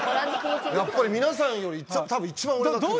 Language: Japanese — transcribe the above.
やっぱり皆さんより多分一番俺が。